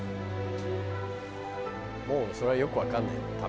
「もうそれはよくわかんねえよ。